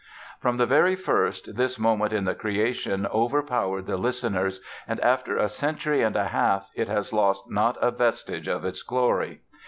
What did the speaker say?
From the very first this moment in "The Creation" overpowered the listeners and after a century and a half it has lost not a vestige of its glory.